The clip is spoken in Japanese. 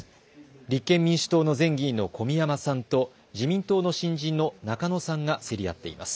立憲民主党の前議員の小宮山さんと自民党の新人の中野さんが競り合っています。